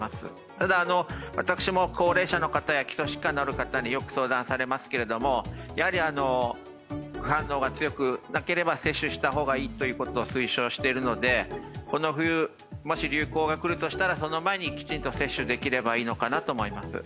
ただ、私も高齢者の方や基礎疾患のある方によく相談されますけれどもやはり副反応が強くなければ接種した方がいいと推奨しているので、この冬、もし流行がくるとしたら、その前にきちんと接種できればいいのかなと思います。